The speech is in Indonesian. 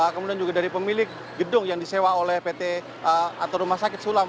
kemudian juga dari pemilik gedung yang disewa oleh pt atau rumah sakit sulam